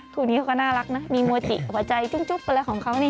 คู่นี้เขาก็น่ารักนะมีมัวจิกับหัวใจจุ๊บอะไรของเขานี่